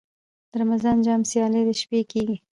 د رمضان جام سیالۍ د شپې کیږي.